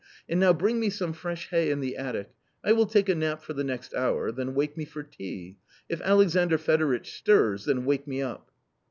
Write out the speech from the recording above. And now bring me some fresh hay in the attic, I will take a nap for the next hour ; then wake me for tea. If Alexandr Fedoritch stirs, then wake me up.